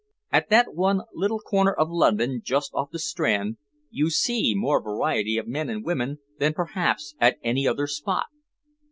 At that one little corner of London just off the Strand you see more variety of men and women than perhaps at any other spot.